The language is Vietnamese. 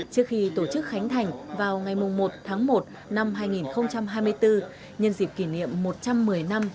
trước khi tổ chức khánh thành vào ngày một tháng một năm hai nghìn hai mươi bốn nhân dịp kỷ niệm một trăm một mươi năm